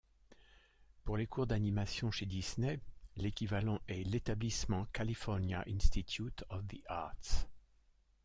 Pour les cours d'animation chez Disney, l'équivalent est l'établissement California Institute of the Arts.